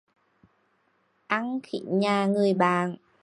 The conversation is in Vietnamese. Ăn khín nhà người bạn